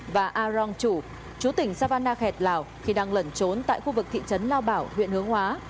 và arong chu chú tỉnh savana khẹt lào khi đang lẩn trốn tại khu vực thị trấn lao bảo huyện hương hóa